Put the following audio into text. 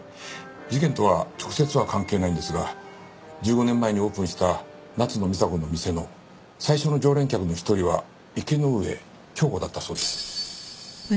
事件とは直接は関係ないんですが１５年前にオープンした夏野美紗子の店の最初の常連客の一人は池ノ上京子だったそうです。